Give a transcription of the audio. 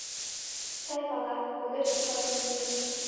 Сай пала: кодеш тушак гын тудо